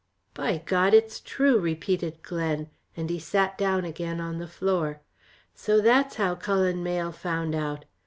"By God it's true," repeated Glen, and he sat down again on the floor. "So that's how Cullen Mayle found out.